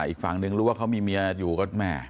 อีกฝั่งนึงรู้ว่าเขามีเมียอยู่ก็แม่